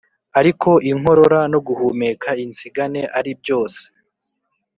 ariko inkorora no guhumeka insigane ari byose,